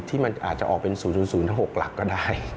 ที่มันอาจจะออกเป็น๐๐ทั้ง๖หลักก็ได้